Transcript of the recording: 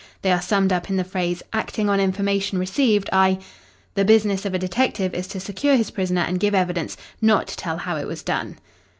They are summed up in the phrase "Acting on information received, I " The business of a detective is to secure his prisoner and give evidence, not to tell how it was done.